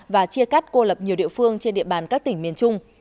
và chia cắt cô lập nhiều địa phương trên địa bàn các tỉnh miền trung